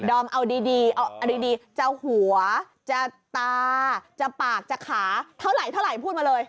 ดอมเอาดีเอาเอาดีจะหัวจะตาจะปากจะขาเท่าไหร่เท่าไหร่พูดมาเลย